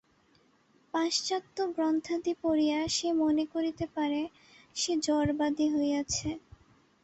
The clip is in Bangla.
পাশ্চাত্য গ্রন্থাদি পড়িয়া সে মনে করিতে পারে, সে জড়বাদী হইয়াছে।